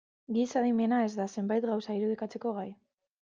Giza adimena ez da zenbait gauza irudikatzeko gai.